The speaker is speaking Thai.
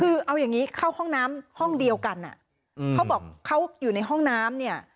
คือเอาอย่างนี้เข้าห้องน้ำห้องเดียวกันอ่ะเขาบอกเขาอยู่ในห้องน้ำเนี่ย